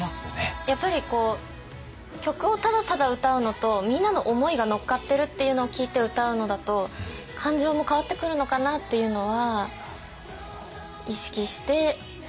やっぱり曲をただただ歌うのとみんなの思いが乗っかってるっていうのを聞いて歌うのだと感情も変わってくるのかなっていうのは意識してやっぱり伝えてました。